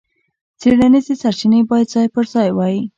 څېړنیزې سرچینې باید ځای پر ځای وای.